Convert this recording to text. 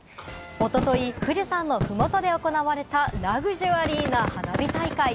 一昨日、富士山の麓で行われたラグジュアリーな花火大会。